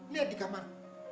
lihat di kamar